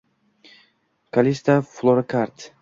Kalista Flokart